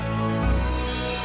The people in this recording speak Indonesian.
kamu bukan anaknya pak haris